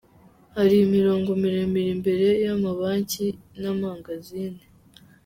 Hari imirongo miremire imbere y'amabanki n'amangazini.